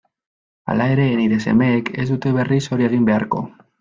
Hala ere, nire semeek ez dute berriz hori egin beharko.